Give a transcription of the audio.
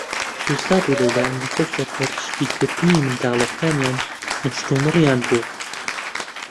شێرزاد و لەیلا لەسەر سەرپەرشتیکردنی منداڵەکانیان مشتومڕیان بوو.